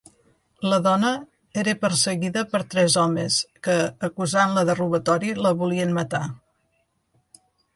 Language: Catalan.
La dona era perseguida per tres homes que, acusant-la de robatori, la volien matar.